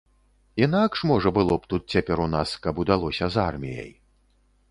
Інакш можа было б тут цяпер у нас, каб удалося з арміяй.